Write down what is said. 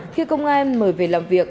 khi công an mời về làm việc